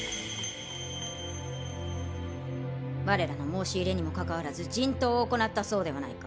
我らの申し入れにもかかわらず人痘を行ったそうではないか！